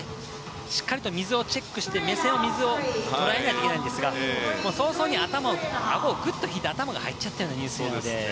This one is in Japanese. しっかりと水をチェックして目線で水を捉えなきゃいけないんですが早々にあごをぐっと引いて頭が入っちゃった入水でした。